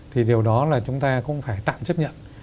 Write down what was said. thì điều đó là chúng ta cũng phải tạm chấp nhận